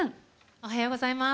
おはようございます。